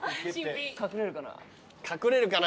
・隠れるかな。